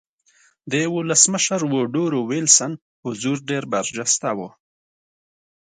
د ولسمشر ووډرو وېلسن حضور ډېر برجسته و